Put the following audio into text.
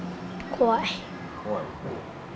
怖い？